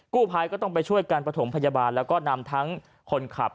ภัยก็ต้องไปช่วยการประถมพยาบาลแล้วก็นำทั้งคนขับ